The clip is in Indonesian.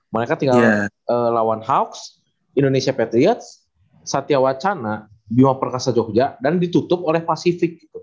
mereka tinggal lawan hoax indonesia patriots satya wacana bio perkasa jogja dan ditutup oleh pasifik